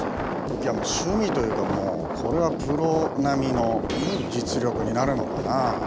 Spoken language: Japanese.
いや趣味というかもうこれはプロ並みの実力になるのかな。